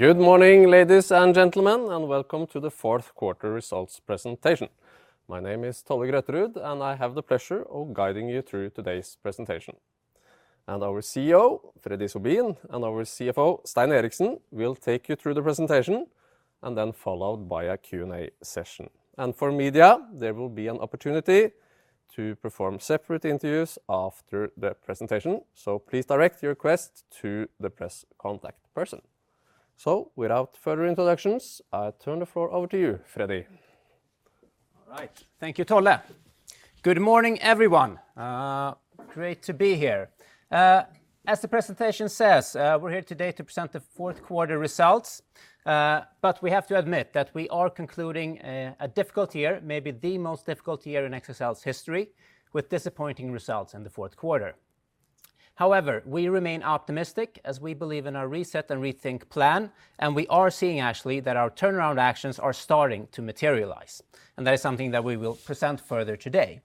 Good morning, ladies and gentlemen, and welcome to the Fourth Quarter Results Presentation. My name is Tolle Grøterud, and I have the pleasure of guiding you through today's presentation. Our CEO, Freddy Sobin, and our CFO, Stein Eriksen, will take you through the presentation and then followed by a Q&A session. For media, there will be an opportunity to perform separate interviews after the presentation, so please direct your request to the press contact person. Without further introductions, I turn the floor over to you, Freddy. All right. Thank you, Tolle. Good morning, everyone. Great to be here. As the presentation says, we're here today to present the fourth quarter results, but we have to admit that we are concluding a difficult year, maybe the most difficult year in XXL's history, with disappointing results in the fourth quarter. However, we remain optimistic, as we believe in our reset and rethink plan, and we are seeing actually that our turnaround actions are starting to materialize, and that is something that we will present further today.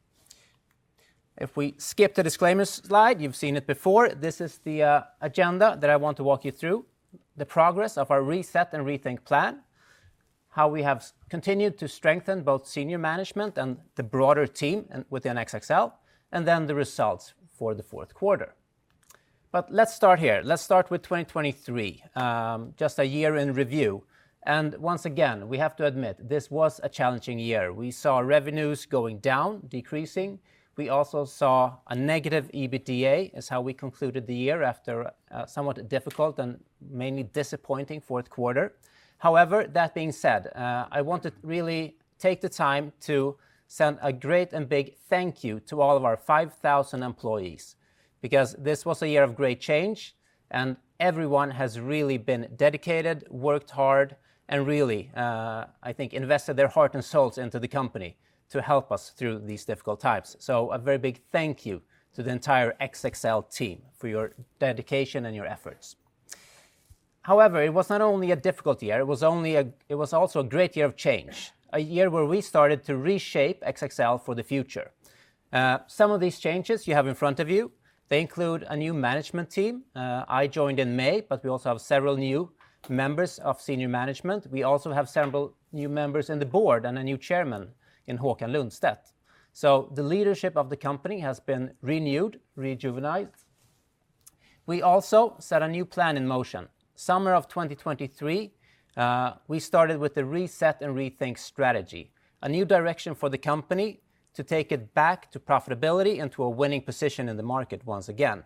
If we skip the disclaimer slide, you've seen it before. This is the agenda that I want to walk you through: the progress of our reset and rethink plan, how we have continued to strengthen both senior management and the broader team and within XXL, and then the results for the fourth quarter. Let's start here. Let's start with 2023, just a year in review. Once again, we have to admit, this was a challenging year. We saw revenues going down, decreasing. We also saw a negative EBITDA, is how we concluded the year after a somewhat difficult and mainly disappointing fourth quarter. However, that being said, I want to really take the time to send a great and big thank you to all of our 5,000 employees, because this was a year of great change, and everyone has really been dedicated, worked hard, and really, I think, invested their heart and souls into the company to help us through these difficult times. A very big thank you to the entire XXL team for your dedication and your efforts. However, it was not only a difficult year, it was also a great year of change, a year where we started to reshape XXL for the future. Some of these changes you have in front of you, they include a new management team. I joined in May, but we also have several new members of senior management. We also have several new members in the board and a new chairman, Håkan Lundstedt. So the leadership of the company has been renewed, rejuvenated. We also set a new plan in motion. Summer of 2023, we started with the reset and rethink strategy, a new direction for the company to take it back to profitability and to a winning position in the market once again.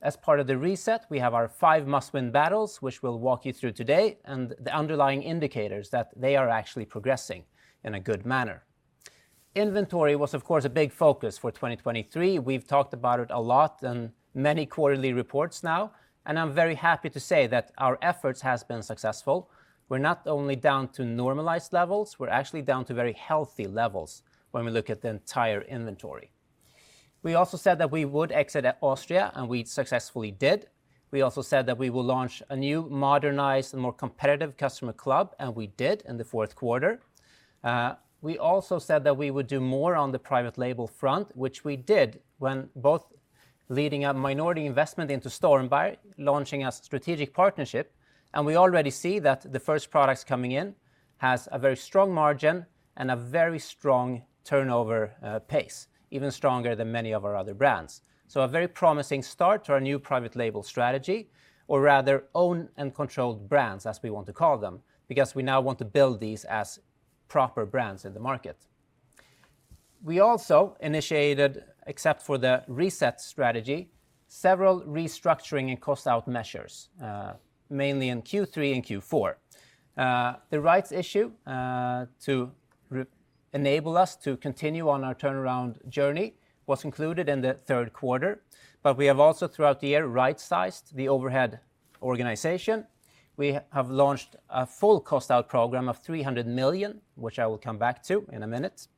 As part of the reset, we have our five must-win battles, which we'll walk you through today, and the underlying indicators that they are actually progressing in a good manner. Inventory was, of course, a big focus for 2023. We've talked about it a lot in many quarterly reports now, and I'm very happy to say that our efforts has been successful. We're not only down to normalized levels, we're actually down to very healthy levels when we look at the entire inventory. We also said that we would exit at Austria, and we successfully did. We also said that we will launch a new, modernized, and more competitive customer club, and we did in the fourth quarter. We also said that we would do more on the private label front, which we did, when both leading a minority investment into Stormberg, launching a strategic partnership, and we already see that the first products coming in has a very strong margin and a very strong turnover, pace, even stronger than many of our other brands. So a very promising start to our new private label strategy, or rather, own and controlled brands, as we want to call them, because we now want to build these as proper brands in the market. We also initiated, except for the reset strategy, several restructuring and cost-out measures, mainly in Q3 and Q4. The rights issue, to re-enable us to continue on our turnaround journey, was included in the third quarter, but we have also, throughout the year, right-sized the overhead organization. We have launched a full cost-out program of 300 million, which I will come back to in a minute.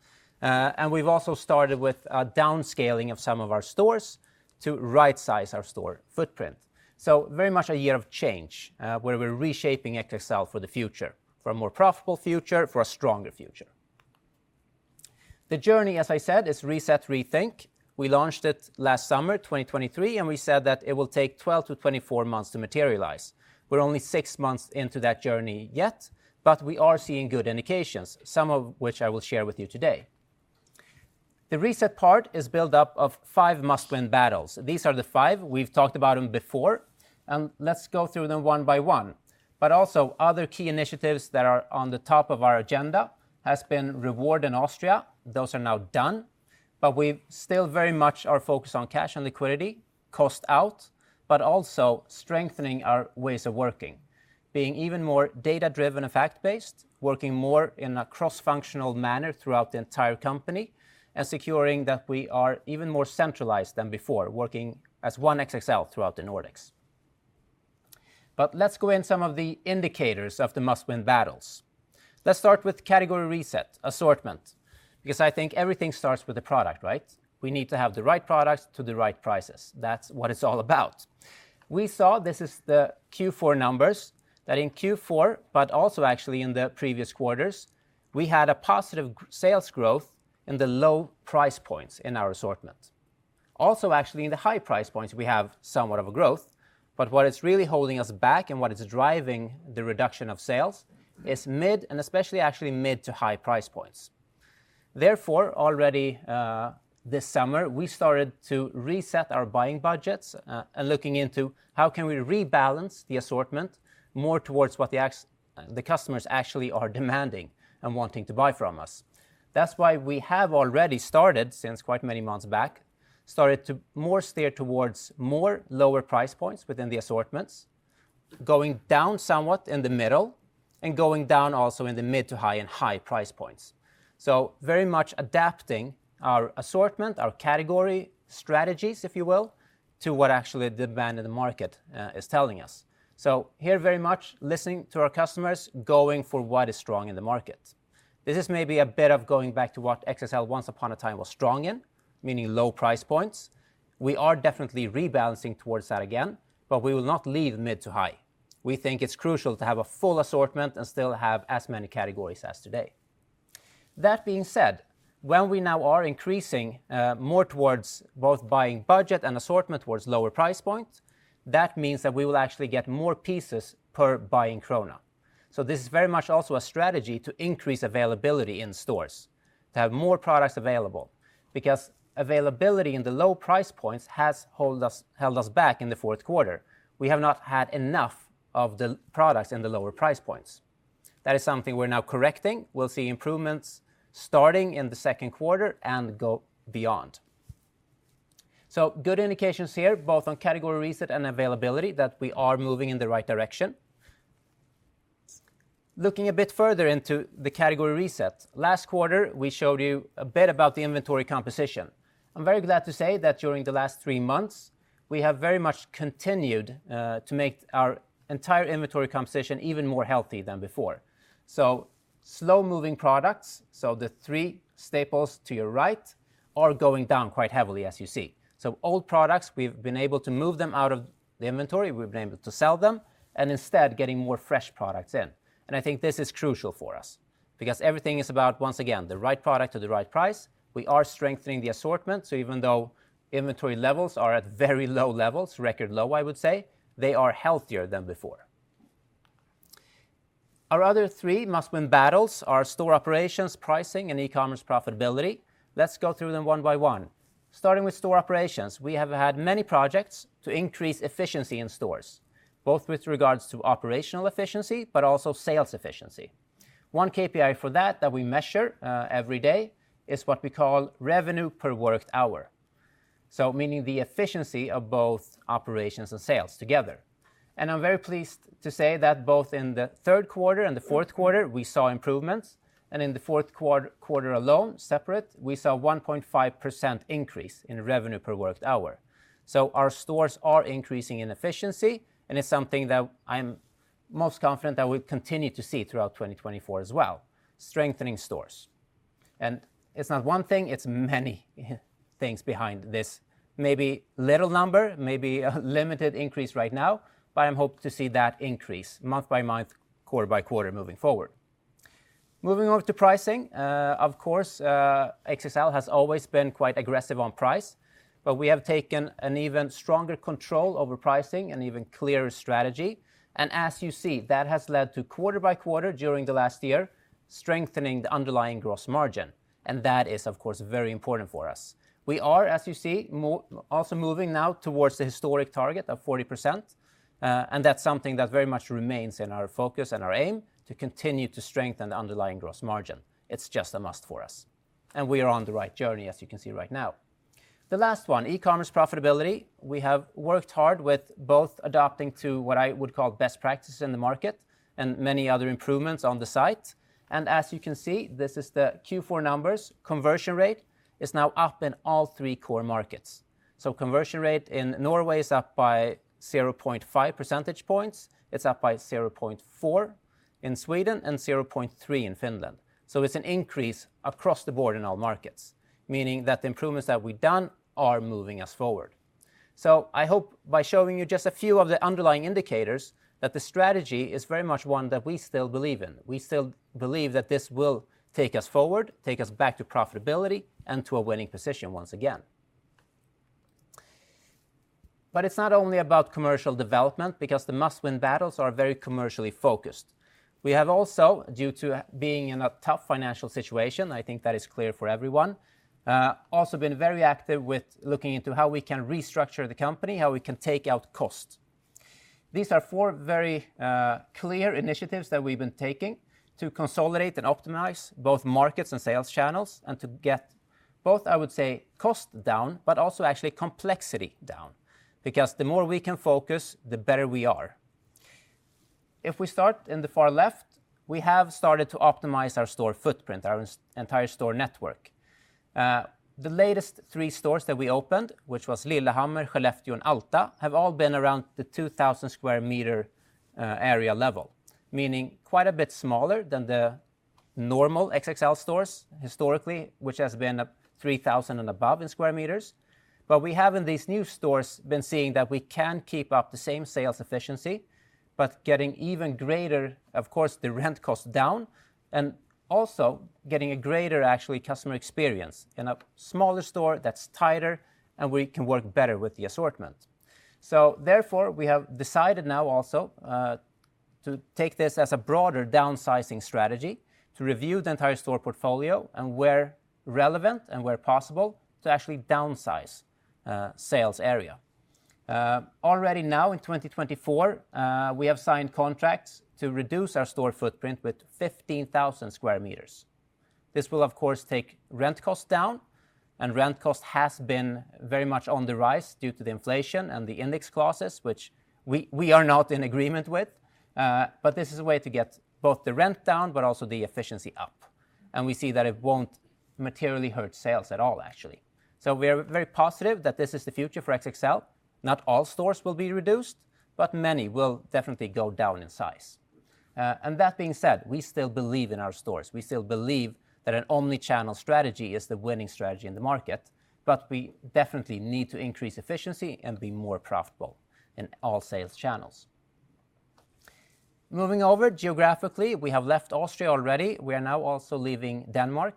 And we've also started with a downscaling of some of our stores to right size our store footprint. So very much a year of change, where we're reshaping XXL for the future, for a more profitable future, for a stronger future. The journey, as I said, is reset, rethink. We launched it last summer, 2023, and we said that it will take 12-24 months to materialize. We're only 6 months into that journey yet, but we are seeing good indications, some of which I will share with you today. The reset part is built up of five must-win battles. These are the five. We've talked about them before, and let's go through them one by one. But also, other key initiatives that are on the top of our agenda has been exit in Austria. Those are now done, but we still very much are focused on cash and liquidity, cost out, but also strengthening our ways of working, being even more data-driven and fact-based, working more in a cross-functional manner throughout the entire company, and securing that we are even more centralized than before, working as one XXL throughout the Nordics. But let's go in some of the indicators of the must-win battles. Let's start with category reset, assortment, because I think everything starts with the product, right? We need to have the right products to the right prices. That's what it's all about. We saw, this is the Q4 numbers, that in Q4, but also actually in the previous quarters, we had a positive sales growth in the low price points in our assortment. Also, actually, in the high price points, we have somewhat of a growth, but what is really holding us back, and what is driving the reduction of sales, is mid, and especially actually mid to high price points. Therefore, already, this summer, we started to reset our buying budgets, and looking into how can we rebalance the assortment more towards what the customers actually are demanding and wanting to buy from us. That's why we have already started, since quite many months back, started to more steer towards more lower price points within the assortments, going down somewhat in the middle, and going down also in the mid to high and high price points. So very much adapting our assortment, our category strategies, if you will, to what actually the demand in the market is telling us. So here, very much listening to our customers, going for what is strong in the market. This is maybe a bit of going back to what XXL once upon a time was strong in, meaning low price points. We are definitely rebalancing towards that again, but we will not leave mid to high. We think it's crucial to have a full assortment and still have as many categories as today. That being said, when we now are increasing more towards both buying budget and assortment towards lower price points, that means that we will actually get more pieces per buying NOK. So this is very much also a strategy to increase availability in stores, to have more products available, because availability in the low price points has held us back in the fourth quarter. We have not had enough of the products in the lower price points. That is something we're now correcting. We'll see improvements starting in the second quarter and go beyond. So good indications here, both on category reset and availability, that we are moving in the right direction. Looking a bit further into the category reset, last quarter, we showed you a bit about the inventory composition. I'm very glad to say that during the last three months, we have very much continued to make our entire inventory composition even more healthy than before. So slow-moving products, so the three staples to your right, are going down quite heavily, as you see. So old products, we've been able to move them out of the inventory, we've been able to sell them, and instead getting more fresh products in. And I think this is crucial for us because everything is about, once again, the right product at the right price. We are strengthening the assortment, so even though inventory levels are at very low levels, record low, I would say, they are healthier than before. Our other three must-win battles are store operations, pricing, and e-commerce profitability. Let's go through them one by one. Starting with store operations, we have had many projects to increase efficiency in stores, both with regards to operational efficiency, but also sales efficiency. One KPI for that, that we measure every day, is what we call revenue per worked hour, so meaning the efficiency of both operations and sales together. And I'm very pleased to say that both in the third quarter and the fourth quarter, we saw improvements, and in the fourth quarter alone, separate, we saw 1.5% increase in revenue per worked hour. So our stores are increasing in efficiency, and it's something that I'm most confident that we'll continue to see throughout 2024 as well, strengthening stores. It's not one thing, it's many things behind this. Maybe little number, maybe a limited increase right now, but I hope to see that increase month by month, quarter by quarter, moving forward. Moving on to pricing, of course, XXL has always been quite aggressive on price, but we have taken an even stronger control over pricing and even clearer strategy. As you see, that has led to quarter by quarter, during the last year, strengthening the underlying gross margin, and that is, of course, very important for us. We are, as you see, also moving now towards the historic target of 40%, and that's something that very much remains in our focus and our aim, to continue to strengthen the underlying gross margin. It's just a must for us, and we are on the right journey, as you can see right now. The last one, e-commerce profitability. We have worked hard with both adapting to what I would call best practice in the market and many other improvements on the site. And as you can see, this is the Q4 numbers. Conversion rate is now up in all three core markets. So conversion rate in Norway is up by 0.5 percentage points. It's up by 0.4 in Sweden and 0.3 in Finland. So it's an increase across the board in all markets, meaning that the improvements that we've done are moving us forward. So I hope by showing you just a few of the underlying indicators, that the strategy is very much one that we still believe in. We still believe that this will take us forward, take us back to profitability, and to a winning position once again. But it's not only about commercial development, because the must-win battles are very commercially focused. We have also, due to being in a tough financial situation, I think that is clear for everyone, also been very active with looking into how we can restructure the company, how we can take out cost. These are four very clear initiatives that we've been taking to consolidate and optimize both markets and sales channels, and to get both, I would say, cost down, but also actually complexity down, because the more we can focus, the better we are. If we start in the far left, we have started to optimize our store footprint, our entire store network. The latest three stores that we opened, which was Lillehammer, Skellefteå, and Alta, have all been around the 2,000 square meter area level, meaning quite a bit smaller than the normal XXL stores historically, which has been 3,000 and above in square meters. But we have in these new stores been seeing that we can keep up the same sales efficiency, but getting even greater, of course, the rent costs down, and also getting a greater, actually, customer experience in a smaller store that's tighter, and we can work better with the assortment. So therefore, we have decided now also to take this as a broader downsizing strategy to review the entire store portfolio and where relevant and where possible, to actually downsize sales area. Already now in 2024, we have signed contracts to reduce our store footprint with 15,000 square meters. This will, of course, take rent costs down, and rent cost has been very much on the rise due to the inflation and the index clauses, which we, we are not in agreement with. But this is a way to get both the rent down, but also the efficiency up, and we see that it won't materially hurt sales at all, actually. So we are very positive that this is the future for XXL. Not all stores will be reduced, but many will definitely go down in size. That being said, we still believe in our stores. We still believe that an omni-channel strategy is the winning strategy in the market, but we definitely need to increase efficiency and be more profitable in all sales channels. Moving over, geographically, we have left Austria already. We are now also leaving Denmark.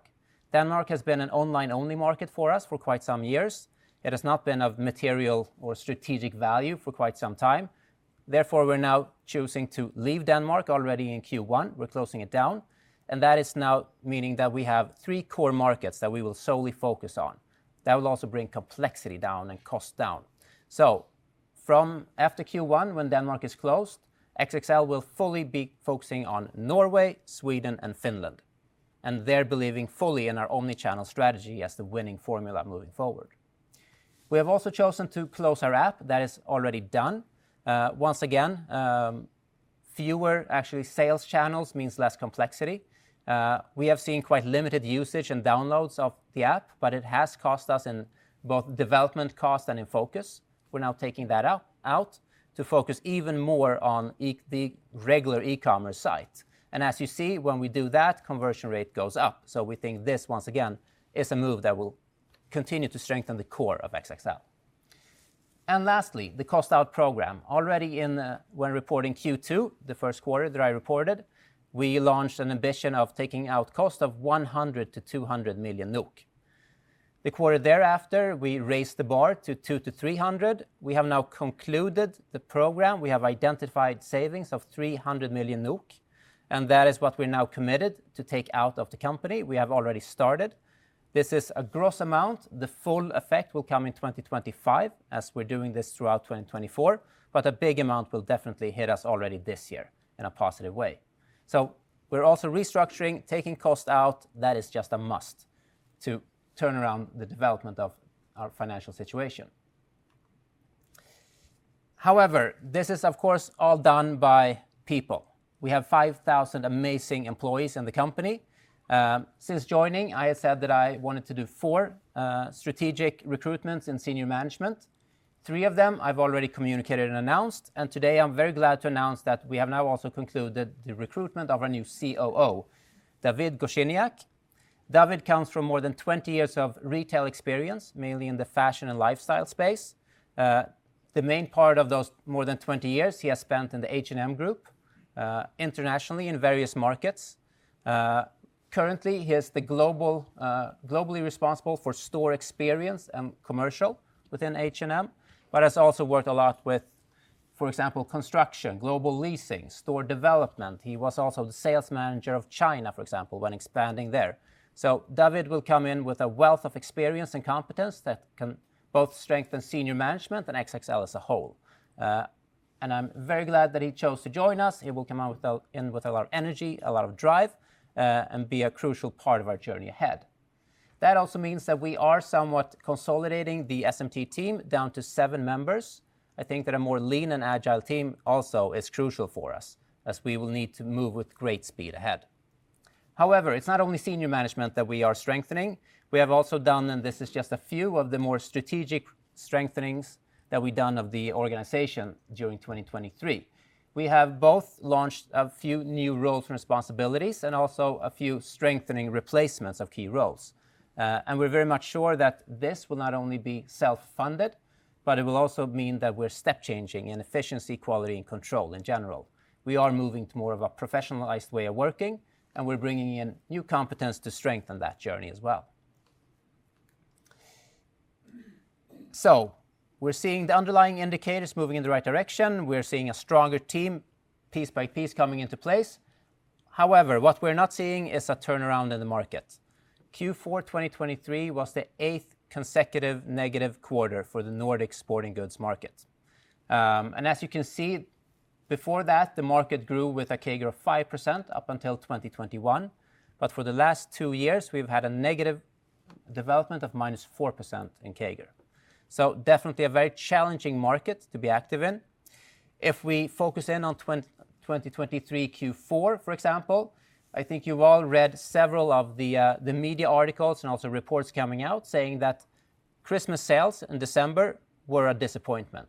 Denmark has been an online-only market for us for quite some years. It has not been of material or strategic value for quite some time. Therefore, we're now choosing to leave Denmark already in Q1. We're closing it down, and that is now meaning that we have three core markets that we will solely focus on. That will also bring complexity down and cost down. So from after Q1, when Denmark is closed, XXL will fully be focusing on Norway, Sweden, and Finland, and they're believing fully in our Omni-channel strategy as the winning formula moving forward. We have also chosen to close our app. That is already done. Once again, fewer actually sales channels means less complexity. We have seen quite limited usage and downloads of the app, but it has cost us in both development cost and in focus. We're now taking that out to focus even more on the regular e-commerce site. And as you see, when we do that, conversion rate goes up. So we think this, once again, is a move that will continue to strengthen the core of XXL. And lastly, the cost-out program. Already in, when reporting Q2, the first quarter that I reported, we launched an ambition of taking out cost of 100 million-200 million NOK. The quarter thereafter, we raised the bar to 200 million to 300 million. We have now concluded the program. We have identified savings of 300 million NOK, and that is what we're now committed to take out of the company. We have already started. This is a gross amount. The full effect will come in 2025 as we're doing this throughout 2024, but a big amount will definitely hit us already this year in a positive way. So we're also restructuring, taking cost out. That is just a must to turn around the development of our financial situation. However, this is, of course, all done by people. We have 5,000 amazing employees in the company. Since joining, I have said that I wanted to do four strategic recruitments in senior management. Three of them I've already communicated and announced, and today I'm very glad to announce that we have now also concluded the recruitment of our new COO, Dawid Gosciniak. Dawid comes from more than 20 years of retail experience, mainly in the fashion and lifestyle space. The main part of those more than 20 years, he has spent in the H&M Group, internationally in various markets. Currently, he is the global, globally responsible for store experience and commercial within H&M, but has also worked a lot with, for example, construction, global leasing, store development. He was also the sales manager of China, for example, when expanding there. So Dawid will come in with a wealth of experience and competence that can both strengthen senior management and XXL as a whole. And I'm very glad that he chose to join us. He will come in with a lot of energy, a lot of drive, and be a crucial part of our journey ahead. That also means that we are somewhat consolidating the SMT team down to seven members. I think that a more lean and agile team also is crucial for us, as we will need to move with great speed ahead. However, it's not only senior management that we are strengthening. We have also done, and this is just a few of the more strategic strengthenings that we've done of the organization during 2023. We have both launched a few new roles and responsibilities and also a few strengthening replacements of key roles. We're very much sure that this will not only be self-funded, but it will also mean that we're step changing in efficiency, quality, and control in general. We are moving to more of a professionalized way of working, and we're bringing in new competence to strengthen that journey as well. So we're seeing the underlying indicators moving in the right direction. We're seeing a stronger team, piece by piece, coming into place. However, what we're not seeing is a turnaround in the market. Q4 2023 was the eighth consecutive negative quarter for the Nordic sporting goods market. And as you can see, before that, the market grew with a CAGR of 5% up until 2021, but for the last two years, we've had a negative development of -4% in CAGR. So definitely a very challenging market to be active in. If we focus in on 2023 Q4, for example, I think you've all read several of the media articles and also reports coming out saying that Christmas sales in December were a disappointment.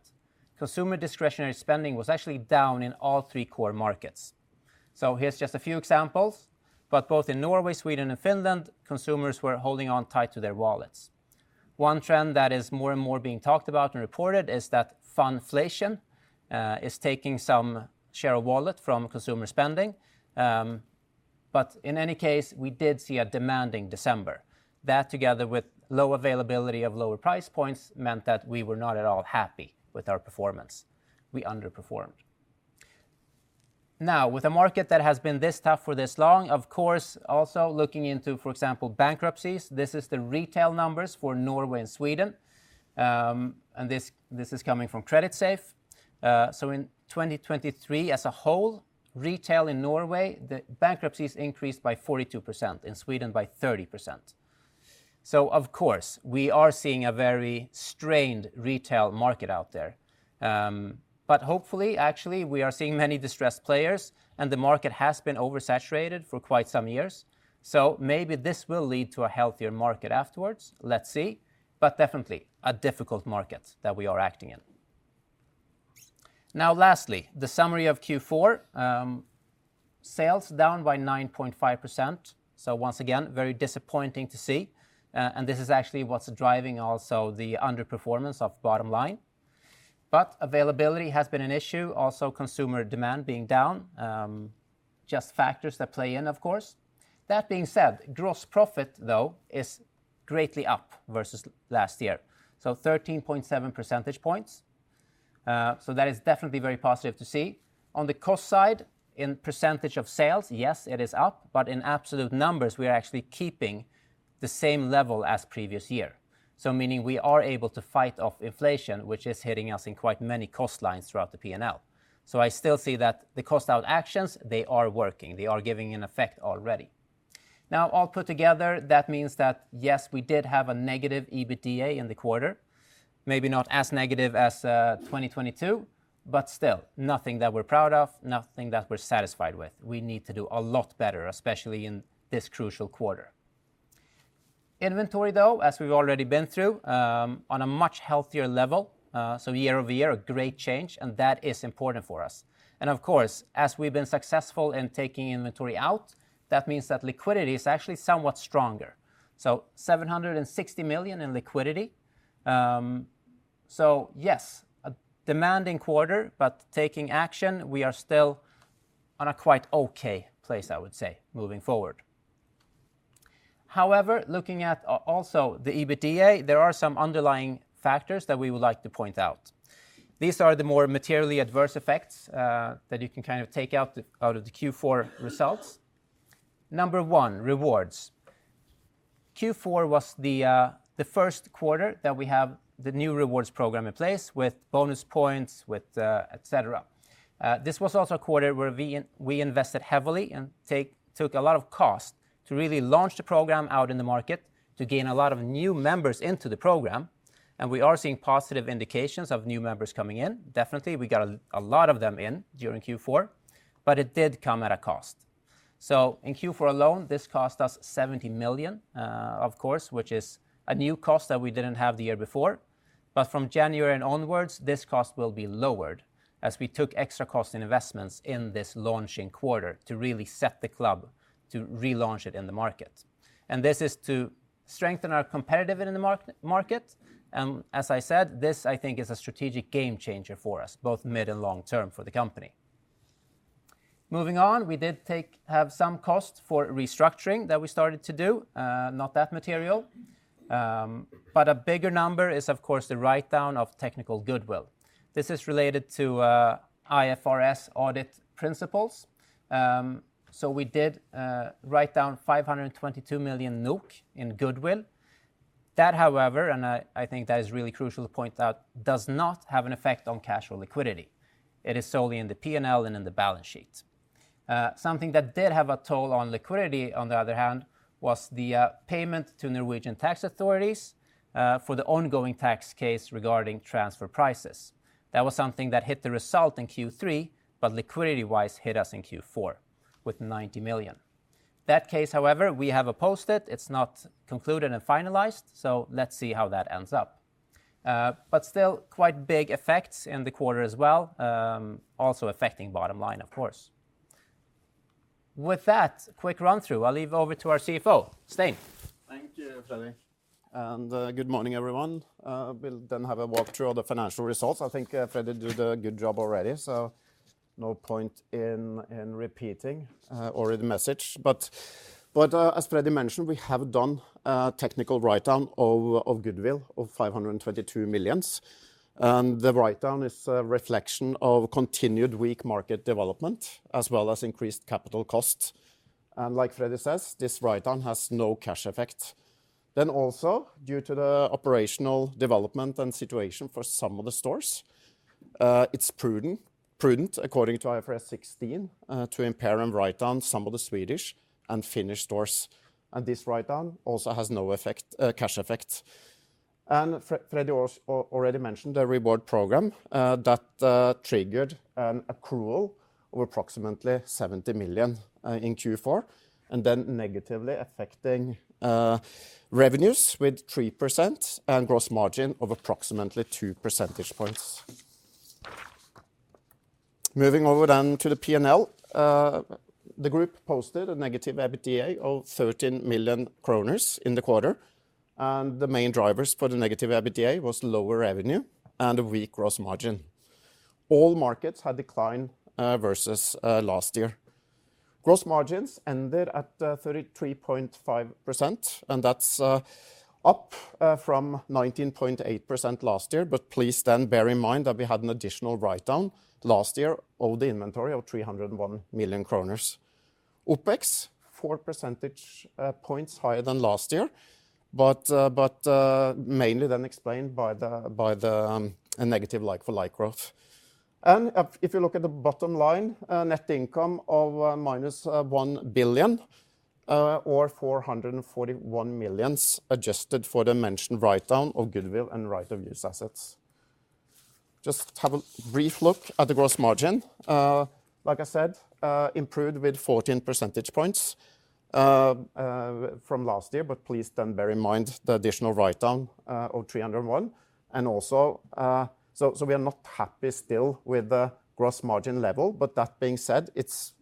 Consumer discretionary spending was actually down in all three core markets. So here's just a few examples, but both in Norway, Sweden, and Finland, consumers were holding on tight to their wallets. One trend that is more and more being talked about and reported is that funflation is taking some share of wallet from consumer spending. But in any case, we did see a demanding December. That, together with low availability of lower price points, meant that we were not at all happy with our performance. We underperformed. Now, with a market that has been this tough for this long, of course, also looking into, for example, bankruptcies, this is the retail numbers for Norway and Sweden. And this, this is coming from Creditsafe. So in 2023, as a whole, retail in Norway, the bankruptcies increased by 42%, in Sweden by 30%. So of course, we are seeing a very strained retail market out there. But hopefully, actually, we are seeing many distressed players, and the market has been oversaturated for quite some years, so maybe this will lead to a healthier market afterwards. Let's see. But definitely a difficult market that we are acting in. Now, lastly, the summary of Q4, sales down by 9.5%. So once again, very disappointing to see, and this is actually what's driving also the underperformance of bottom line. But availability has been an issue, also consumer demand being down, just factors that play in, of course. That being said, gross profit, though, is greatly up versus last year, so 13.7 percentage points. So that is definitely very positive to see. On the cost side, in percentage of sales, yes, it is up, but in absolute numbers, we are actually keeping the same level as previous year. So meaning we are able to fight off inflation, which is hitting us in quite many cost lines throughout the P&L. So I still see that the cost out actions, they are working, they are giving an effect already. Now, all put together, that means that, yes, we did have a negative EBITDA in the quarter, maybe not as negative as 2022, but still, nothing that we're proud of, nothing that we're satisfied with. We need to do a lot better, especially in this crucial quarter. Inventory, though, as we've already been through, on a much healthier level, so year-over-year, a great change, and that is important for us. And of course, as we've been successful in taking inventory out, that means that liquidity is actually somewhat stronger. So 760 million in liquidity. So yes, a demanding quarter, but taking action, we are still on a quite okay place, I would say, moving forward. However, looking at also the EBITDA, there are some underlying factors that we would like to point out. These are the more materially adverse effects that you can kind of take out of the Q4 results. Number one, rewards. Q4 was the first quarter that we have the new rewards program in place with bonus points, with et cetera. This was also a quarter where we invested heavily and took a lot of cost to really launch the program out in the market to gain a lot of new members into the program, and we are seeing positive indications of new members coming in. Definitely, we got a lot of them in during Q4, but it did come at a cost. So in Q4 alone, this cost us 70 million, of course, which is a new cost that we didn't have the year before. But from January onwards, this cost will be lowered, as we took extra cost and investments in this launching quarter to really set the club to relaunch it in the market. And this is to strengthen our competitive in the market, and as I said, this, I think, is a strategic game changer for us, both mid and long term for the company. Moving on, we have some costs for restructuring that we started to do, not that material. But a bigger number is, of course, the write-down of technical goodwill. This is related to IFRS audit principles. So we did write down 522 million NOK in goodwill. That, however, and I think that is really crucial to point out, does not have an effect on cash flow liquidity. It is solely in the P&L and in the balance sheet. Something that did have a toll on liquidity, on the other hand, was the payment to Norwegian tax authorities for the ongoing tax case regarding transfer prices. That was something that hit the result in Q3, but liquidity-wise hit us in Q4 with 90 million. That case, however, we have opposed it. It's not concluded and finalized, so let's see how that ends up. But still quite big effects in the quarter as well, also affecting bottom line, of course. With that quick run-through, I'll leave over to our CFO. Stein? Thank you, Freddy. And good morning, everyone. We'll then have a walk through all the financial results. I think Freddy did a good job already, so no point in repeating or the message. But as Freddy mentioned, we have done a technical write-down of goodwill of 522 million, and the write-down is a reflection of continued weak market development, as well as increased capital costs. And like Freddy says, this write-down has no cash effect. Then also, due to the operational development and situation for some of the stores, it's prudent, according to IFRS 16, to impair and write down some of the Swedish and Finnish stores, and this write-down also has no cash effect. Freddy already mentioned the reward program that triggered an accrual of approximately 70 million in Q4, and then negatively affecting revenues with 3% and gross margin of approximately two percentage points. Moving over then to the P&L, the group posted a negative EBITDA of 13 million kroner in the quarter, and the main drivers for the negative EBITDA was lower revenue and a weak gross margin. All markets had declined versus last year. Gross margins ended at 33.5%, and that's up from 19.8% last year, but please then bear in mind that we had an additional write-down last year of the inventory of 301 million kroner. OpEx 4 percentage points higher than last year, but mainly then explained by a negative like-for-like growth. If you look at the bottom line, net income of minus 1 billion or 441 million, adjusted for the mentioned write-down of goodwill and right of use assets. Just have a brief look at the gross margin. Like I said, improved with 14 percentage points from last year, but please then bear in mind the additional write-down of 301 million. So we are not happy still with the gross margin level, but that being said, it's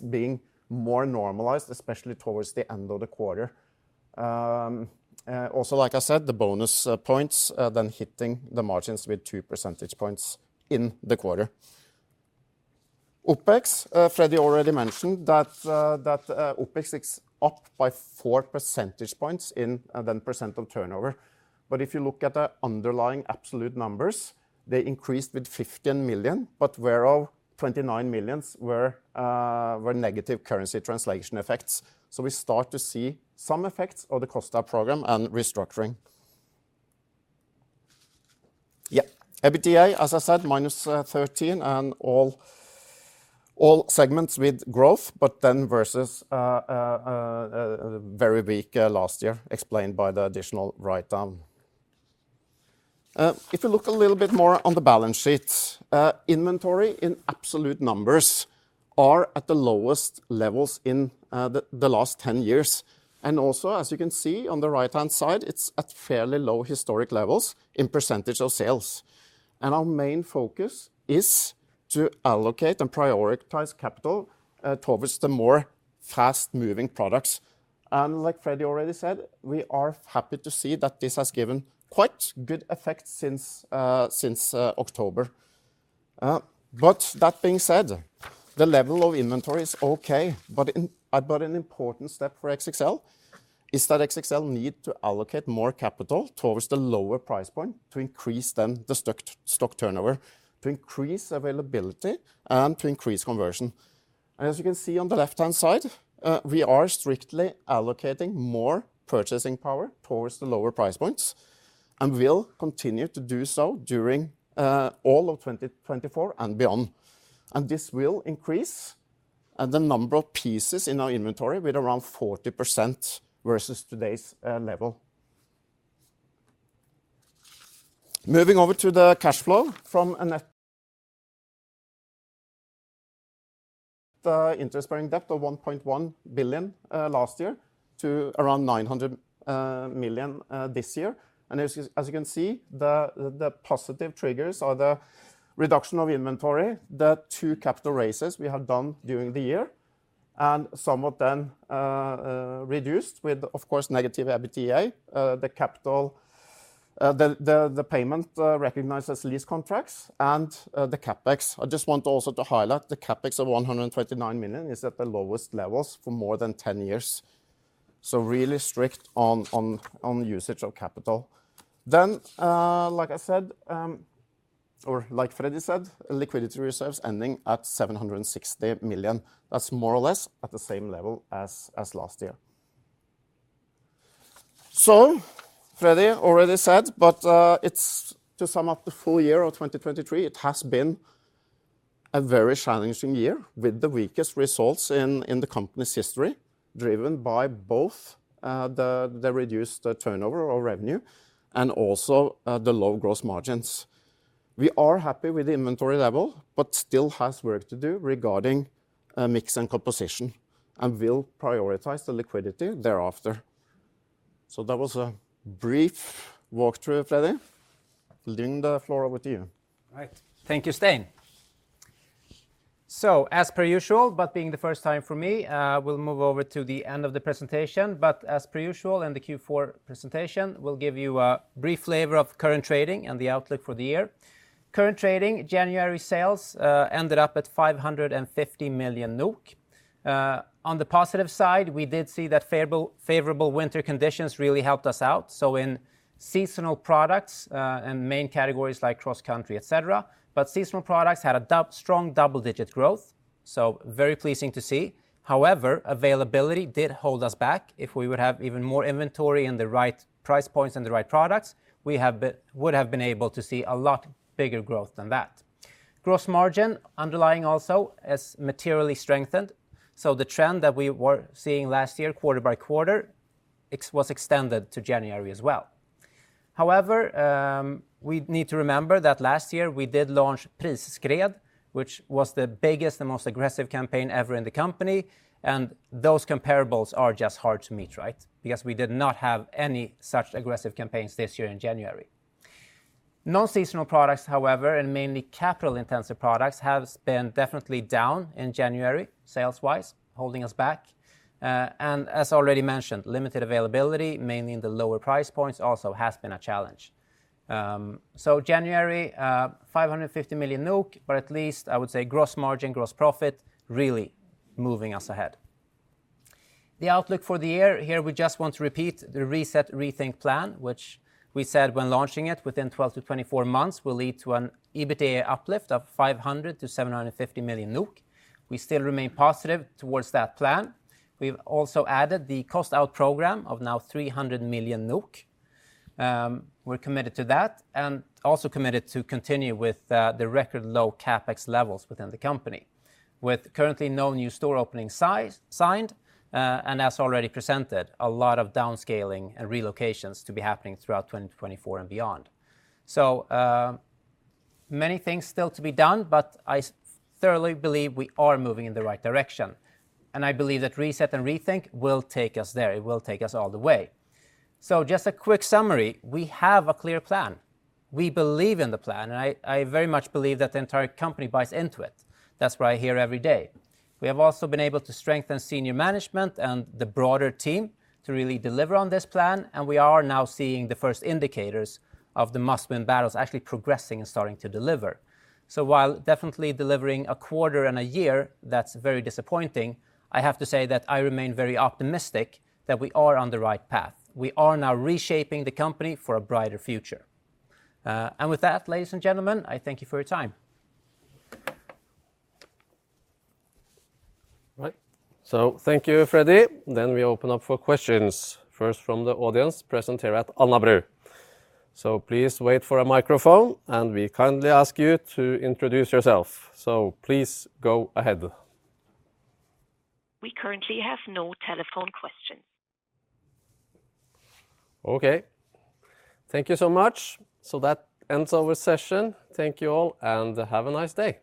being more normalized, especially towards the end of the quarter. Also, like I said, the bonus points then hitting the margins with 2 percentage points in the quarter. OpEx, Freddy already mentioned that OpEx is up by 4 percentage points in 10% of turnover. But if you look at the underlying absolute numbers, they increased with 15 million, but whereof 29 million were negative currency translation effects. So we start to see some effects of the cost-out program and restructuring. Yeah, EBITDA, as I said, minus 13 million, and all segments with growth, but then versus a very weak last year, explained by the additional write-down. If you look a little bit more on the balance sheet, inventory in absolute numbers are at the lowest levels in the last 10 years. Also, as you can see on the right-hand side, it's at fairly low historic levels in percentage of sales. Our main focus is to allocate and prioritize capital towards the more fast-moving products. And like Freddy already said, we are happy to see that this has given quite good effect since October. But that being said, the level of inventory is okay, but an important step for XXL is that XXL need to allocate more capital towards the lower price point to increase the stock turnover, to increase availability and to increase conversion. As you can see on the left-hand side, we are strictly allocating more purchasing power towards the lower price points and will continue to do so during all of 2024 and beyond. This will increase the number of pieces in our inventory with around 40% versus today's level. Moving over to the cash flow from a net- The interest-bearing debt of 1.1 billion last year to around 900 million this year. As you can see, the positive triggers are the reduction of inventory, the two capital raises we have done during the year, and some of them reduced with, of course, negative EBITDA, the capital, the payment recognized as lease contracts and the CapEx. I just want also to highlight the CapEx of 139 million is at the lowest levels for more than 10 years, so really strict on usage of capital. Then, like I said, or like Freddy said, liquidity reserves ending at 760 million. That's more or less at the same level as last year. So Freddy already said, but, it's to sum up the full year of 2023, it has been a very challenging year with the weakest results in the company's history, driven by both, the reduced turnover or revenue and also, the low gross margins. We are happy with the inventory level, but still has work to do regarding, mix and composition, and we'll prioritize the liquidity thereafter. So that was a brief walkthrough, Freddy. Linda, the floor over to you. All right. Thank you, Stein. So as per usual, but being the first time for me, we'll move over to the end of the presentation. But as per usual, in the Q4 presentation, we'll give you a brief flavor of current trading and the outlook for the year. Current trading, January sales ended up at 550 million NOK. On the positive side, we did see that favorable winter conditions really helped us out, so in seasonal products and main categories like cross-country, et cetera. But seasonal products had a strong double-digit growth, so very pleasing to see. However, availability did hold us back. If we would have even more inventory in the right price points and the right products, we would have been able to see a lot bigger growth than that. Gross margin, underlying also, has materially strengthened, so the trend that we were seeing last year, quarter by quarter, was extended to January as well. However, we need to remember that last year we did launch Prisskred, which was the biggest and most aggressive campaign ever in the company, and those comparables are just hard to meet, right? Because we did not have any such aggressive campaigns this year in January. Non-seasonal products, however, and mainly capital-intensive products, have been definitely down in January, sales-wise, holding us back. And as already mentioned, limited availability, mainly in the lower price points, also has been a challenge. So January, 550 million NOK, but at least I would say gross margin, gross profit, really moving us ahead. The outlook for the year, here we just want to repeat the reset, rethink plan, which we said when launching it, within 12-24 months, will lead to an EBITDA uplift of 500 million to 750 million NOK. We still remain positive towards that plan. We've also added the cost-out program of now 300 million NOK. We're committed to that, and also committed to continue with the record low CapEx levels within the company, with currently no new store opening size signed, and as already presented, a lot of downscaling and relocations to be happening throughout 2024 and beyond. So, many things still to be done, but I thoroughly believe we are moving in the right direction, and I believe that reset and rethink will take us there. It will take us all the way. So just a quick summary: We have a clear plan. We believe in the plan, and I, I very much believe that the entire company buys into it. That's what I hear every day. We have also been able to strengthen senior management and the broader team to really deliver on this plan, and we are now seeing the first indicators of the must-win battles actually progressing and starting to deliver. So while definitely delivering a quarter and a year, that's very disappointing, I have to say that I remain very optimistic that we are on the right path. We are now reshaping the company for a brighter future. And with that, ladies and gentlemen, I thank you for your time. Right. Thank you, Freddy. We open up for questions, first from the audience present here at Alnabru. Please wait for a microphone, and we kindly ask you to introduce yourself. Please go ahead. We currently have no telephone questions. Okay. Thank you so much. So that ends our session. Thank you all, and have a nice day!